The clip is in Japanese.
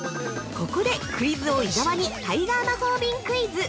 ◆ここで、クイズ王・伊沢にタイガー魔法瓶クイズ。